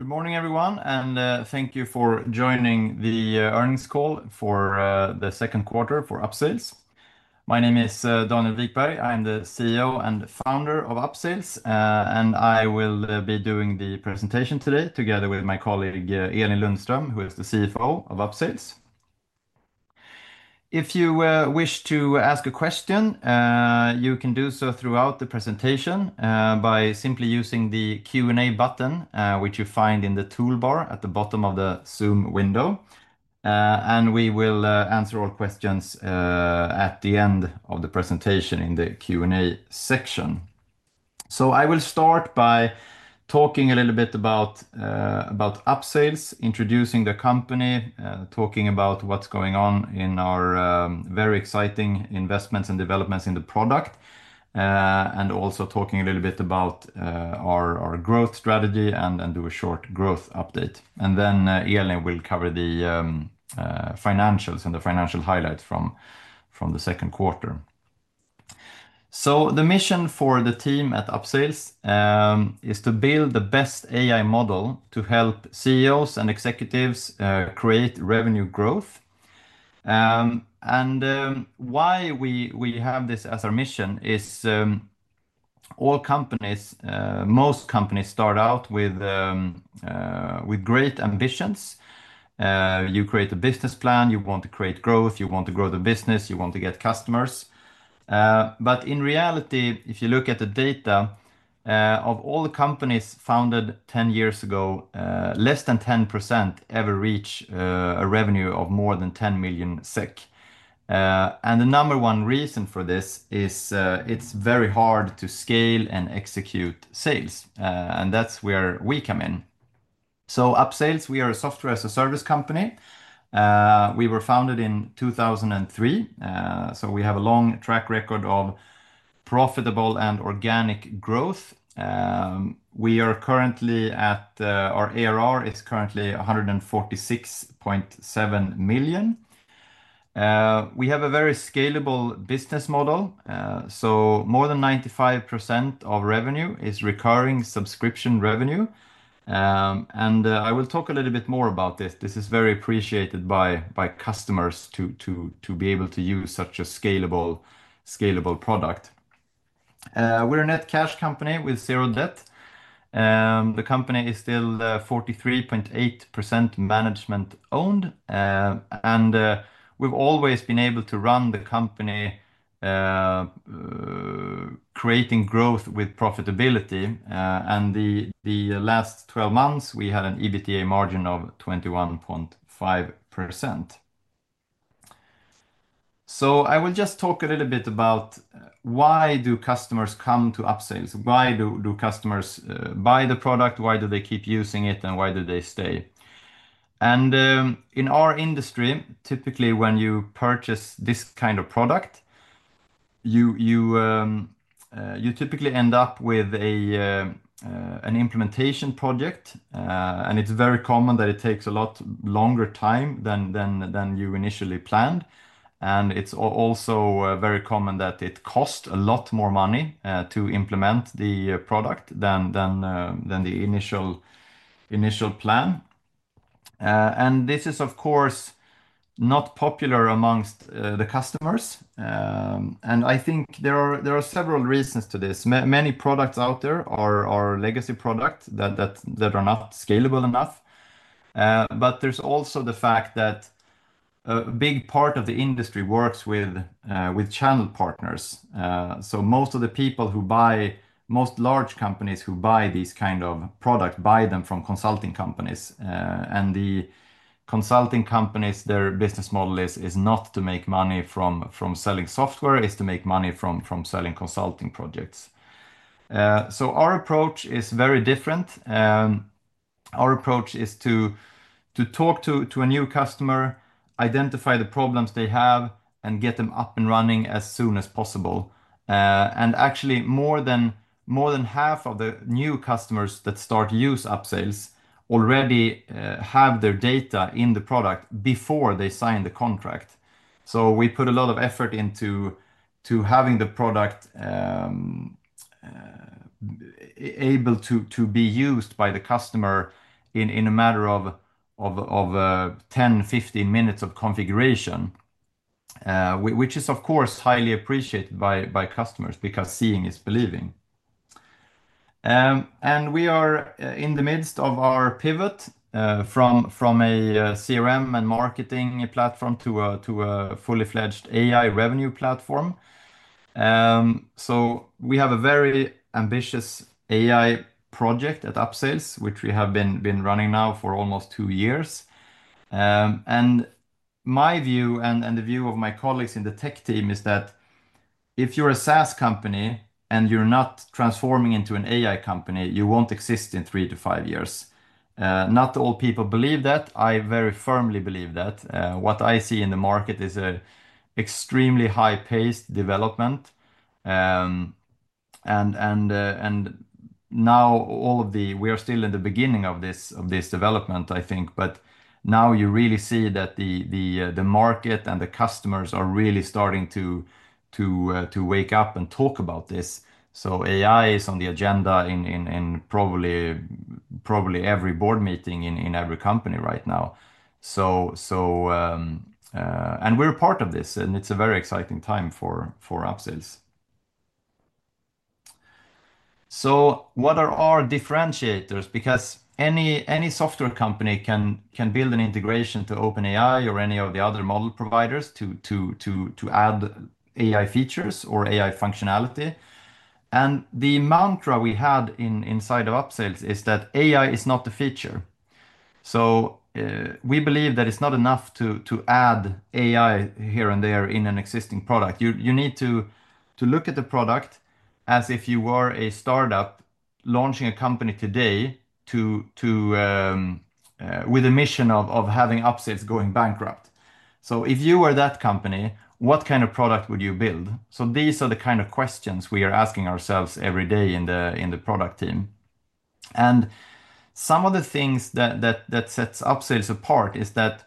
Good morning, everyone, and, thank you for joining the earnings call for, the second quarter for Upsales. My name is, Donal Wiekberg. I'm the CEO and founder of Upsales, and I will be doing the presentation today together with my colleague, Ehrli Lundstrom, who is the CFO of Upsales. If you wish to ask a question, you can do so throughout the presentation by simply using the q and a button, which you find in the toolbar at the bottom of the Zoom window, and we will answer all questions at the end of the presentation in the q and a section. So I will start by talking a little bit about upsales, introducing the company, talking about what's going on in our very exciting investments and developments in the product, and also talking a little bit about our our growth strategy and and do a short growth update. And then, Yalen will cover the, financials and the financial highlights from from the second quarter. So the mission for the team at UpSales, is to build the best AI model to help CEOs and executives create revenue growth. And why we we have this as our mission is all companies most companies start out with with great ambitions. You create a business plan, you want to create growth, you want to grow the business, you want to get customers. But in reality, if you look at the data, of all the companies founded ten years ago, less than 10% ever reach a revenue of more than 10,000,000 SEK. And the number one reason for this is it's very hard to scale and execute sales, and that's where we come in. So Upsales, we are a software as a service company. We were founded in 02/2003, so we have a long track record of profitable and organic growth. We are currently at our ARR is currently 146,700,000.0. We have a very scalable business model. So more than 95% of revenue is recurring subscription revenue. And I will talk a little bit more about this. This is very appreciated by customers to to be able to use such a scalable scalable product. We're a net cash company with zero debt. The company is still 43.8 management owned, and we've always been able to run the company creating growth with profitability. And the the last twelve months, we had an EBITDA margin of 21.5%. So I will just talk a little bit about why do customers come to Upsales. Why do do customers buy the product? Why do they keep using it? And why do they stay? And in our industry, typically, when you purchase this kind of product, you you you typically end up with a an implementation project, and it's very common that it takes a lot longer time than than than you initially planned. And it's also very common that it cost a lot more money to implement the product than than than the initial initial plan. And this is, of course, not popular amongst the customers. And I think there are there are several reasons to this. Many products out there are are legacy product that that that are not scalable enough. But there's also the fact that a big part of the industry works with with channel partners. So most of the people who buy most large companies who buy these kind of product buy them from consulting companies. And the consulting companies, their business model is is not to make money from from selling software, it's to make money from from selling consulting projects. So our approach is very different. Our approach is to to talk to to a new customer, identify the problems they have, and get them up and running as soon as possible. And actually, more than more than half of the new customers that start to use upsells already have their data in the product before they sign the contract. So we put a lot of effort into to having the product able to to be used by the customer in in a matter of of of ten, fifteen minutes of configuration, which is, of course, highly appreciated by by customers because seeing is believing. And we are in the midst of our pivot from from a CRM and marketing platform to a to a fully fledged AI revenue platform. So we have a very ambitious AI project at Upsales, which we have been been running now for almost two years. And my view and and the view of my colleagues in the tech team is that if you're a SaaS company and you're not transforming into an AI company, you won't exist in three to five years. Not all people believe that. I very firmly believe that. What I see in the market is a extremely high paced development. And and and now all of the we are still in the beginning of this of this development, I think. But now you really see that the the the market and the customers are really starting to to to wake up and talk about this. So AI is on the agenda in in in probably probably every board meeting in in every company right now. So so and we're part of this, and it's a very exciting time for for upsells. So what are our differentiators? Because any any software company can can build an integration to OpenAI or any of the other model providers to to to to add AI features or AI functionality. And the mantra we had in inside of upsells is that AI is not the feature. So we believe that it's not enough to to add AI here and there in an existing product. You you need to to look at the product as if you were a start up launching a company today to to with a mission of of having upsets going bankrupt. So if you were that company, what kind of product would you build? So these are the kind of questions we are asking ourselves every day in the in the product team. And some of the things that that that sets Upsells apart is that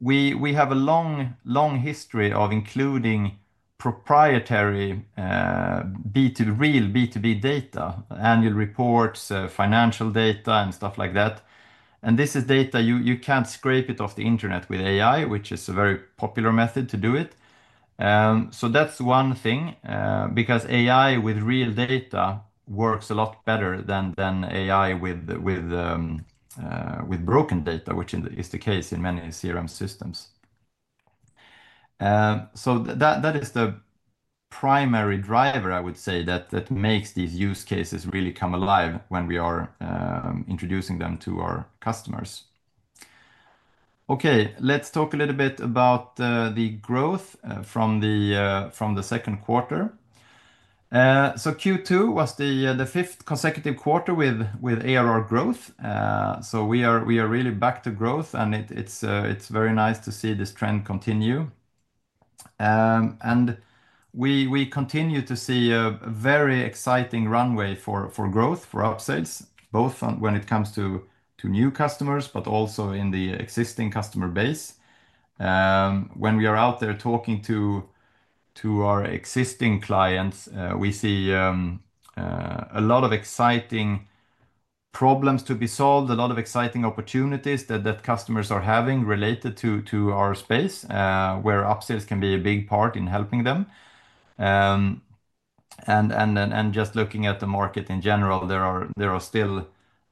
we we have a long, long history of including proprietary b to real b to b data, annual reports, financial data, and stuff like that. And this is data you you can't scrape it off the Internet with AI, which is a very popular method to do it. So that's one thing because AI with real data works a lot better than than AI with with with broken data, which in the is the case in many CRM systems. So that that is the primary driver, I would say, that that makes these use cases really come alive when we are introducing them to our customers. Okay. Let's talk a little bit about growth from the from the second quarter. So q two was the the fifth consecutive quarter with with ARR growth. So we are really back to growth, and it's very nice to see this trend continue. And we continue to see a very exciting runway for growth for our sales, both when it comes to new customers, but also in the existing customer base. When we are out there talking to to our existing clients, we see a lot of exciting problems to be solved, a lot of exciting opportunities that that customers are having related to to our space where upsells can be a big part in helping them. And and and and just looking at the market in general, there are there are still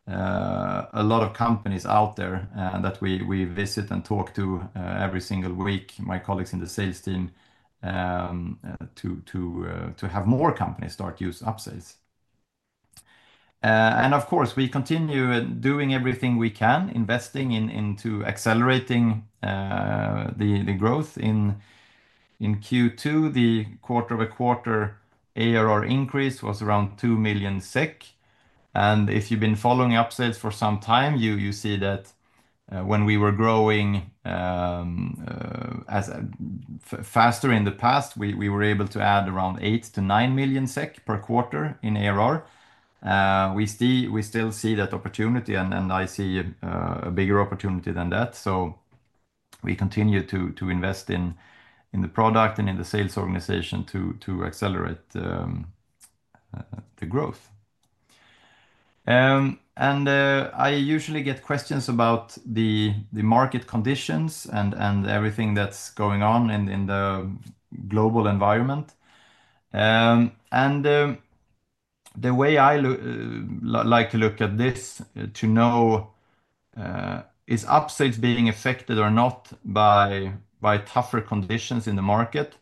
a lot of companies out there that we we visit and talk to every single week, my colleagues in the sales team, to to to have more companies start use upsales. And of course, we continue doing everything we can, investing into accelerating the growth. In Q2, the quarter over quarter ARR increase was around 2,000,000 SEK. And if you've been following upsets for some time, you you see that when we were growing as faster in the past, we we were able to add around 8,000,000 to 9,000,000 per quarter in ARR. We see we still see that opportunity, and and I see a bigger opportunity than that. So we continue to to invest in in the product and in the sales organization to to accelerate the growth. And I usually get questions about the the market conditions and and everything that's going on in in the global environment. And the way I like to look at this to know is upsets being affected or not by by tougher conditions in the market.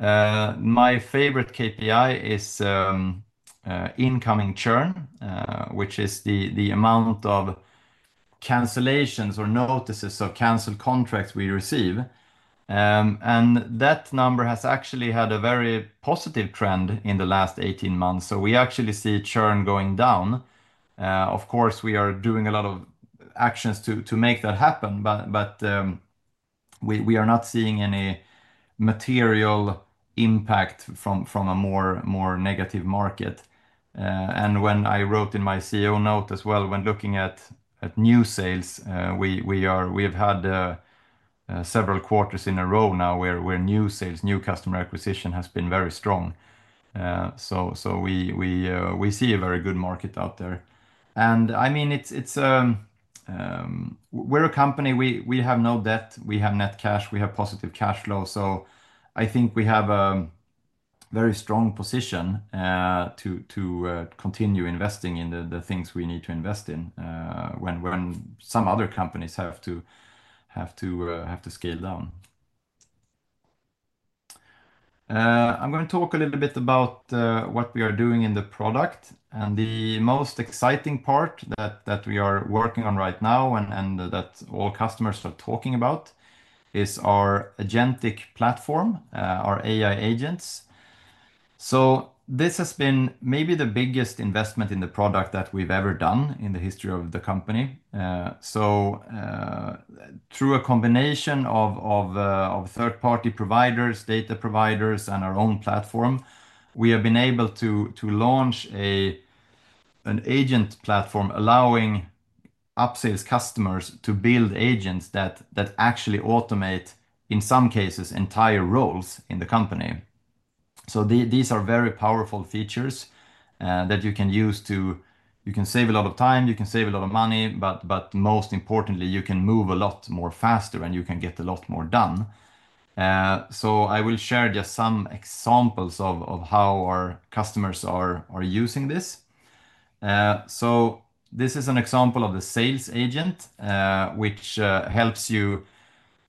My favorite KPI is incoming churn, which is the the amount of cancellations or notices or canceled contracts we receive. That number has actually had a very positive trend in the last eighteen months. So we actually see churn going down. Of course, we are doing a lot of actions to to make that happen, but but we we are not seeing any material impact from from a more more negative market. And when I wrote in my CEO note as well when looking at at new sales, we we are we have had several quarters in a row now where where new sales, new customer acquisition has been very strong. So so we we we see a very good market out there. And, I mean, it's it's we're a company. We we have no debt. We have net cash. We have positive cash flow. So I think we have a very strong position to to continue investing in the the things we need to invest in when when some other companies have to have to have to scale down. I'm gonna talk a little bit about what we are doing in the product. And the most exciting part that that we are working on right now and and that all customers are talking about is our agentic platform, our AI agents. So this has been maybe the biggest investment in the product that we've ever done in the history of the company. So through a combination of of of third party providers, data providers, and our own platform, we have been able to to launch a an agent platform allowing up sales customers to build agents that that actually automate, in some cases, entire roles in the company. So the these are very powerful features that you can use to you can save a lot of time, you can save a lot of money, but but most importantly, you can move a lot more faster and you can get a lot more done. So I will share just some examples of of how our customers are are using this. So this is an example of the sales agent, which helps you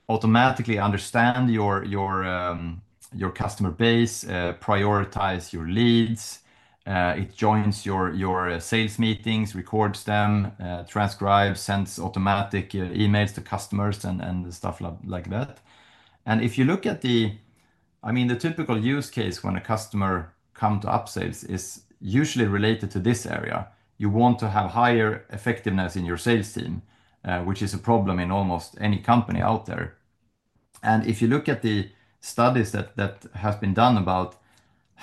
automatically understand your your your customer base, prioritize your leads. It joins your your sales meetings, records them, transcribes, sends automatic emails to customers and and stuff like like that. And if you look at the I mean, the typical use case when a customer come to up sales is usually related to this area. You want to have higher effectiveness in your sales team, which is a problem in almost any company out there. And if you look at the studies that that has been done about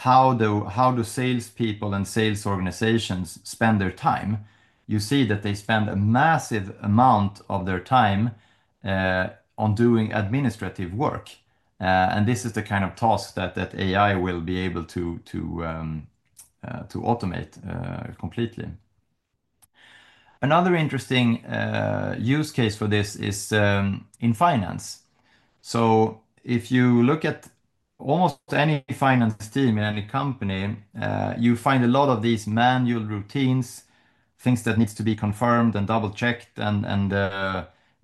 how do how do sales people and sales organizations spend their time, you see that they spend a massive amount of their time on doing administrative work. And this is the kind of task that that AI will be able to to to automate completely. Another interesting use case for this is in finance. So if you look at almost any finance team in any company, you find a lot of these manual routines, things that needs to be confirmed and double checked and and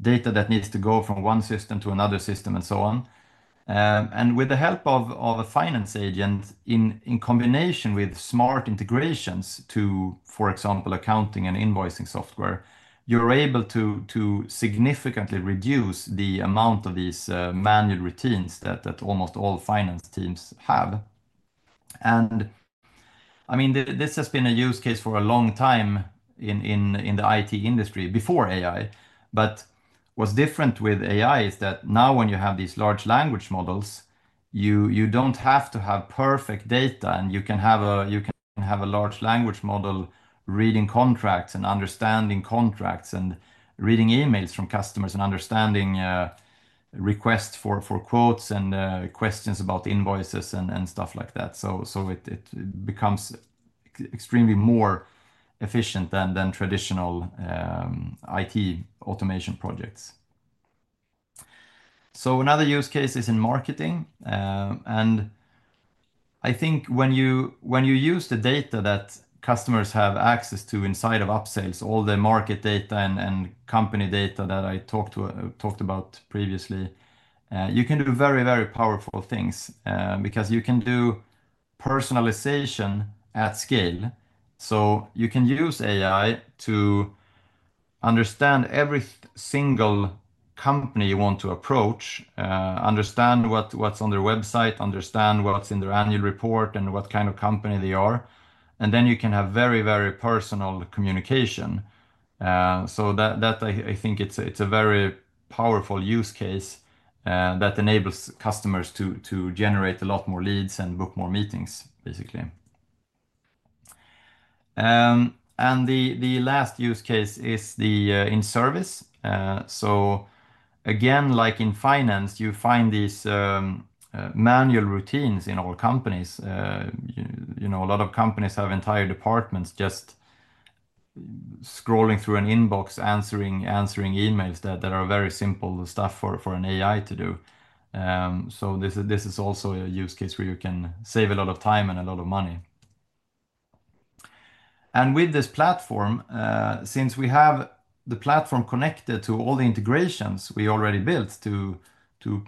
data that needs to go from one system to another system and so on. And with the help of of a finance agent in in combination with smart integrations to, example, accounting and invoicing software, you're able to to significantly reduce the amount of these manual routines that that almost all finance teams have. And, I mean, this has been a use case for a long time in in in the IT industry before AI. But what's different with AI is that now when you have these large language models, you you don't have to have perfect data, and you can have a you can have a large language model reading contracts and understanding contracts and reading emails from customers and understanding requests for for quotes and questions about invoices and and stuff like that. So so it it becomes extremely more efficient than than traditional IT automation projects. So another use case is in marketing. And I think when you when you use the data that customers have access to inside of upsells, all the market data and and company data that I talked to talked about previously, you can do very, very powerful things because you can do personalization at scale. So you can use AI to understand every single company you want to approach, understand what what's on their website, understand what's in their annual report, and what kind of company they are, and then you can have very, very personal communication. So that that I I think it's a it's a very powerful use case that enables customers to to generate a lot more leads and book more meetings, basically. And the the last use case is the in service. So, again, like in finance, you find these manual routines in all companies. You know, a lot of companies have entire departments just scrolling through an inbox answering answering emails that that are very simple stuff for for an AI to do. So this is this is also a use case where you can save a lot of time and a lot of money. And with this platform, since we have the platform connected to all the integrations we already built to to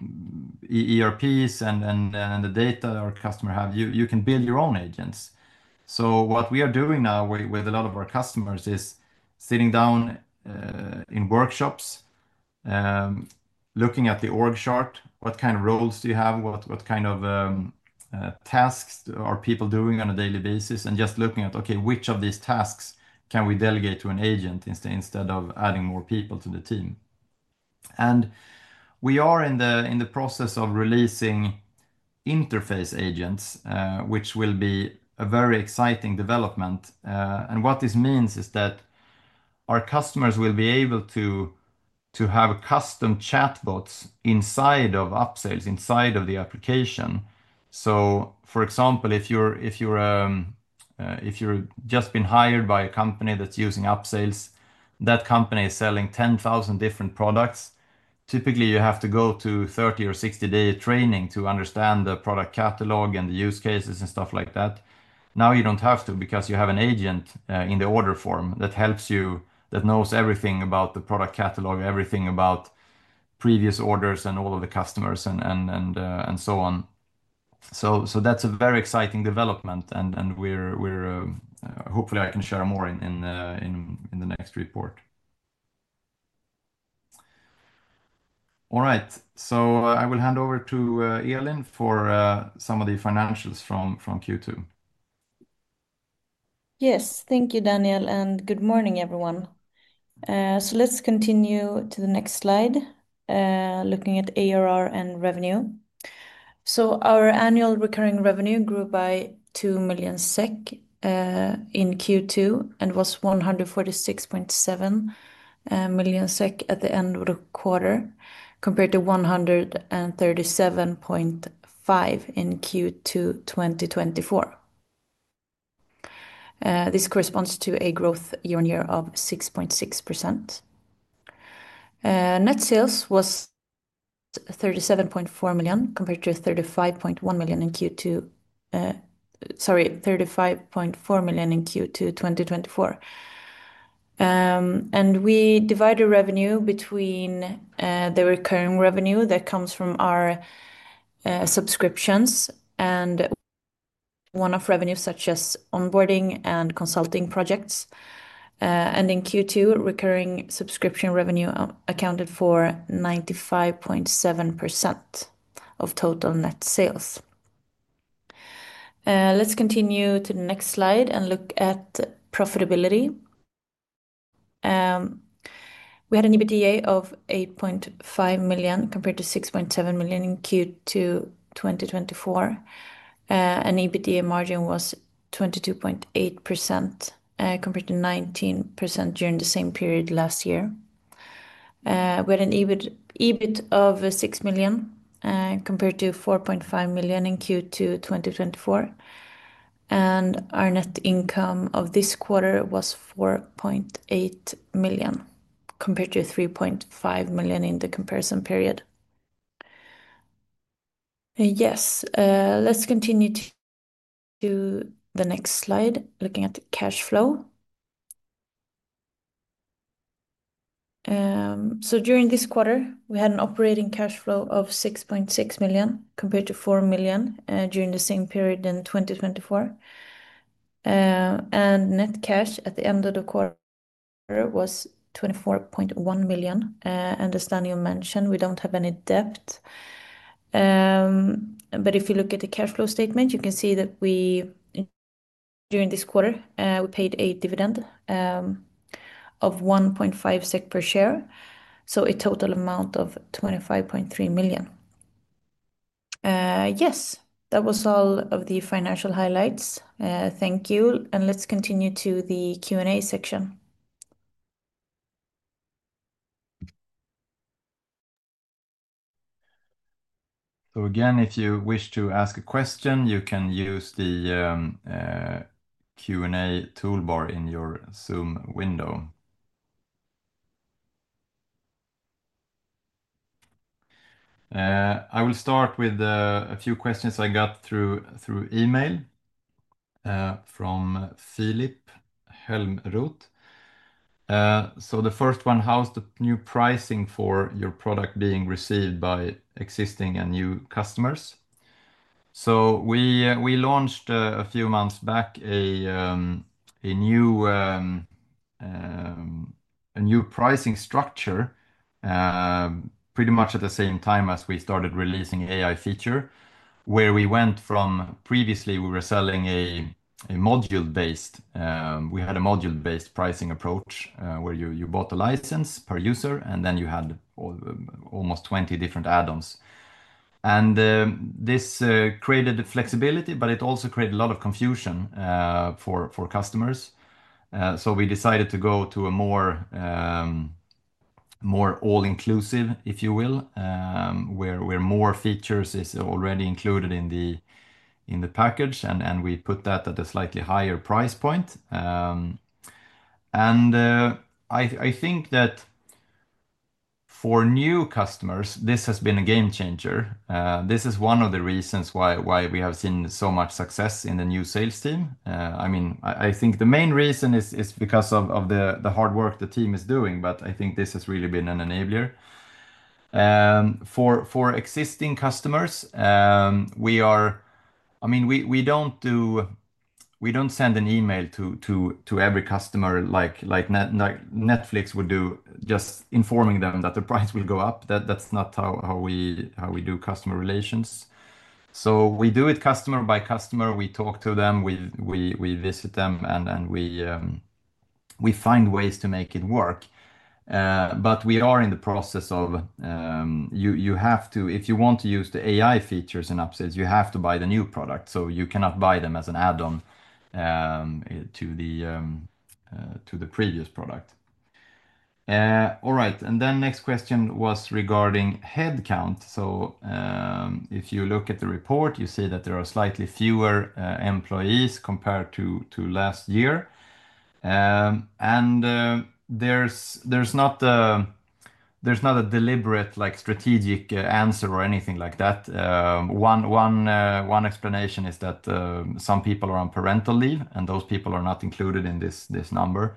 EERPs and and and the data our customer have, you you can build your own agents. So what we are doing now with with a lot of our customers is sitting down in workshops, looking at the org chart, what kind of roles do you have, what what kind of tasks are people doing on a daily basis, and just looking at, okay, which of these tasks can we delegate to an agent instead instead of adding more people to the team. And we are in the in the process of releasing interface agents, which will be a very exciting development. And what this means is that our customers will be able to to have a custom chatbots inside of upsells, inside of the application. So for example, if you're if you're, if you're just been hired by a company that's using upsells, that company is selling 10,000 different products. Typically, you have to go to thirty or sixty day training to understand the product catalog and the use cases and stuff like that. Now you don't have to because you have an agent in the order form that helps you that knows everything about the product catalog, everything about previous orders and all of the customers and and and and so on. So so that's a very exciting development, and and we're we're hopefully, I can share more in in the in in the next report. All right. So I will hand over to Yealin for some of the financials from Q2. Yes. Thank you, Daniel, and good morning, everyone. So let's continue to the next slide, looking at ARR and revenue. So our annual recurring revenue grew by 2,000,000 in Q2 and was 146,700,000.0 SEK at the end of the quarter compared to 137,500,000.0 in Q2 twenty twenty four. This corresponds to a growth year on year of 6.6%. Net sales was $37,400,000 compared to $35,100,000 in Q2 sorry, 35,400,000.0 in Q2 twenty twenty four. And we divide the revenue between the recurring revenue that comes from our subscriptions and one off revenue such as onboarding and consulting projects. And in Q2, recurring subscription revenue accounted for 95.7% of total net sales. Let's continue to the next slide and look at profitability. We had an EBITDA of 8,500,000.0 compared to 6,700,000.0 in Q2 twenty twenty four. And EBITDA margin was 22.8% compared to 19% during the same period last year, with an EBIT of 6,000,000 compared to 4,500,000.0 in Q2 twenty twenty four. And our net income of this quarter was $4,800,000 compared to $3,500,000 in the comparison period. Yes. Let's continue to the next slide looking at cash flow. So during this quarter, we had an operating cash flow of 6,600,000.0 compared to 4,000,000 during the same period in 2024. And net cash at the end of the quarter was 24,100,000.0. And as Daniel mentioned, we don't have any debt. But if you look at the cash flow statement, you can see that we during this quarter, we paid a dividend of 1.5 SEK per share, so a total amount of 25,300,000.0. Yes, that was all of the financial highlights. Thank you, and let's continue to the Q and A section. So, again, if you wish to ask a question, you can use the q and a toolbar in your Zoom window. I will start with a few questions I got through through email from Philippe Helmrut. So the first one, how's the new pricing for your product being received by existing and new customers? So we we launched a few months back a a new a new pricing structure pretty much at the same time as we started releasing AI feature where we went from previously, we were selling a a module based We had a module based pricing approach where you you bought a license per user, and then you had almost 20 different add ons. And this created flexibility, but it also created a lot of confusion for for customers. So we decided to go to a more more all inclusive, if you will, where where more features is already included in the in the package, and and we put that at a slightly higher price point. And I I think that for new customers, this has been a game changer. This is one of the reasons why why we have seen so much success in the new sales team. I mean, I I think the main reason is is because of of the the hard work the team is doing, but I think this has really been an enabler. For for existing customers, we are I mean, we we don't do we don't send an email to to to every customer like like Netflix would do just informing them that the price will go up. That that's not how how we how we do customer relations. So we do it customer by customer. We talk to them. We we we visit them, and and we we find ways to make it work. But we are in the process of you you have to if you want to use the AI features and upsells, you have to buy the new product. So you cannot buy them as an add on to the to the previous product. Alright. And then next question was regarding headcount. So if you look at the report, you see that there are slightly fewer employees compared to to last year. There's there's not there's not a deliberate, like, strategic answer or anything like that. One one one explanation is that some people are on parental leave, and those people are not included in this this number.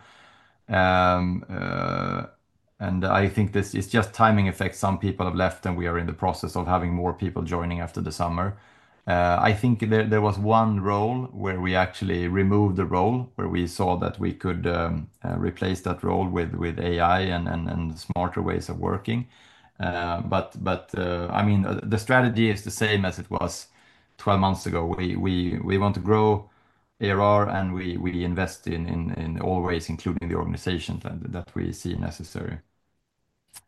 And I think this is just timing effect. Some people have left, and we are in the process of having more people joining after the summer. I think there there was one role where we actually removed the role where we saw that we could replace that role with with AI and and and smarter ways of working. But but, I mean, the strategy is the same as it was twelve months ago. We we we want to grow ARR, and we we invest in in in all ways, including the organization that that we see necessary.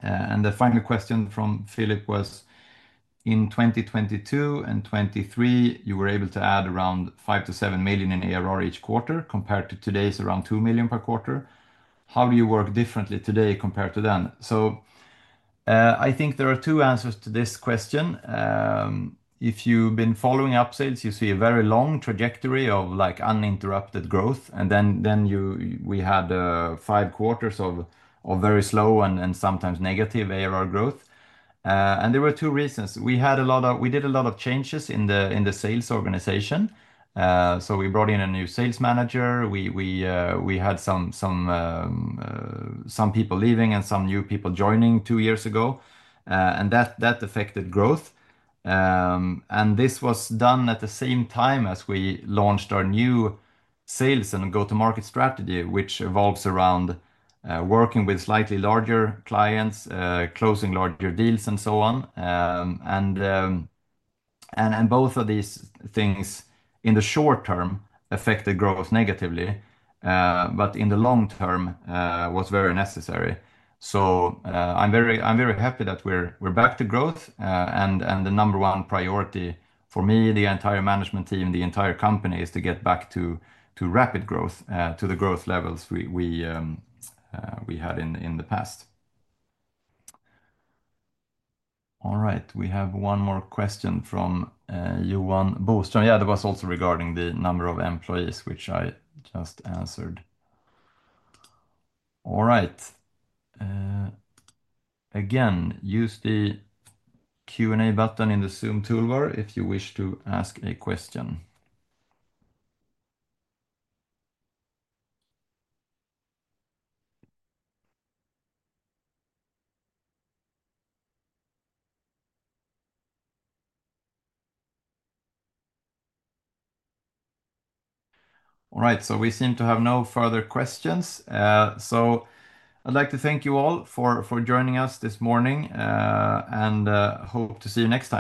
And the final question from Philip was, in 2022 and 'twenty three, you were able to add around $5,000,000 to $7,000,000 in ARR each quarter compared to today's around $2,000,000 per quarter. How do you work differently today compared to then? So I think there are two answers to this question. If you've been following up sales, you see a very long trajectory of, like, uninterrupted growth, and then then you we had five quarters of of very slow and and sometimes negative ARR growth. And there were two reasons. We had a lot of we did a lot of changes in the in the sales organization. So we brought in a new sales manager. We we we had some some some people leaving and some new people joining two years ago, and that that affected growth. And this was done at the same time as we launched our new sales and go to market strategy, which evolves around working with slightly larger clients, closing larger deals, so on. And and and both of these things in the short term affected growth negatively, but in the long term was very necessary. So I'm very I'm very happy that we're we're back to growth. And and the number one priority for me, the entire management team, the entire company is to get back to to rapid growth, to the growth levels we we we had in in the past. Alright. We have one more question from Johan Bostrom. Yeah. That was also regarding the number of employees which I just answered. Alright. Again, use the q and a button in the Zoom toolbar if you wish to ask a question. All right. So we seem to have no further questions. So I'd like to thank you all for for joining us this morning, and, hope to see you next